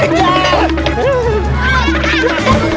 gua kabur gila